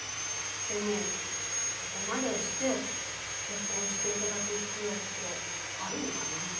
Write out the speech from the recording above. でもそこまでして結婚していただく必要ってあるのかな。